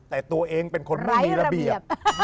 แต่ตัวเองเป็นคนไม่มีระเบียบ